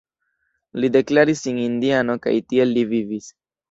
Li deklaris sin indiano kaj tiel li vivis.